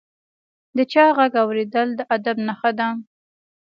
د چا ږغ اورېدل د ادب نښه ده.